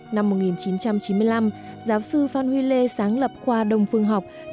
năm một nghìn chín trăm chín mươi năm giáo sư phan huy lê sáng lập khoa đông phương học